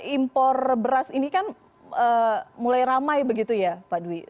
impor beras ini kan mulai ramai begitu ya pak dwi